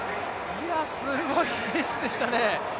いや、すごいレースでしたね。